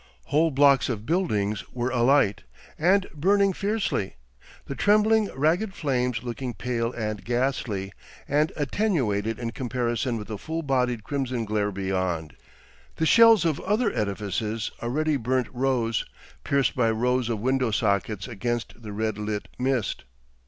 Whole blocks of buildings were alight and burning fiercely, the trembling, ragged flames looking pale and ghastly and attenuated in comparison with the full bodied crimson glare beyond. The shells of other edifices already burnt rose, pierced by rows of window sockets against the red lit mist.